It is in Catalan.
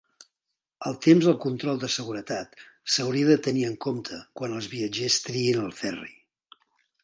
El temps al control de seguretat s'hauria de tenir en compte quan els viatgers triïn el ferri.